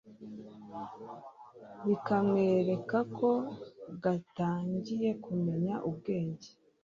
bikamwereka ko gatangiye kumenya ubwenge,